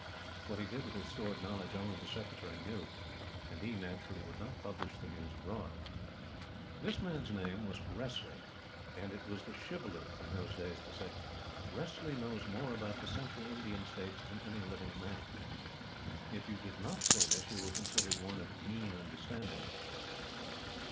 What he did with his stored knowledge only the Secretary knew; and he, naturally, would not publish the news abroad. This man's name was Wressley, and it was the Shibboleth, in those days, to say: "Wressley knows more about the Central Indian States than any living man." If you did not say this, you were considered one of mean understanding.